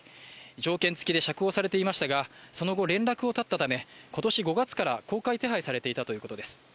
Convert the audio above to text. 条件付きで釈放されていましたがその後、連絡を絶ったため今年５月から公開手配されていたということです。